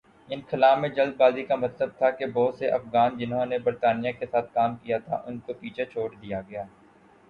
انخلا میں جلد بازی کا مطلب تھا کہ بہت سے افغان جنہوں نے برطانیہ کے ساتھ کام کیا تھا ان کو پیچھے چھوڑ دیا گیا۔